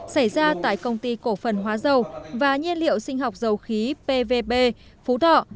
xảy ra tại công ty cổ phần hóa dầu và nhiên liệu sinh học dầu khí pvp phú thọ